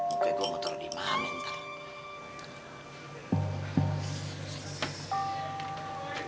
oke gue muter di mahamin ntar